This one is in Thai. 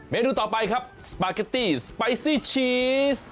นูต่อไปครับสปาเกตตี้สไปซี่ชีส